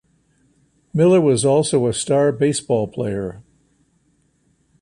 Miller was also a star baseball player.